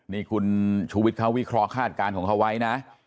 นี่คุณชูวิทย์เขาวิเคราะห์คาดการณ์ของเขาไว้นะ